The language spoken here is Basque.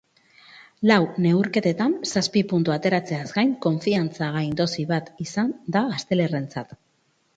Lau neurketatan zazpi puntu ateratzeaz gain, konfiantza gaindosi bat izan da gaztelarrentzat.